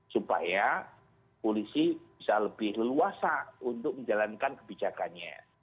supaya polisi bisa lebih leluasa untuk menjalankan kebijakannya